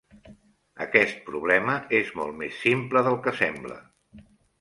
Aquest problema és molt més simple del que sembla.